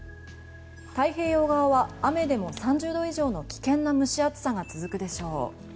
太平洋側は雨でも３０度以上の危険な蒸し暑さが続くでしょう。